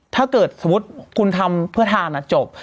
ถ้าเกิดสมมุติคุณทำเพื่อทานจบ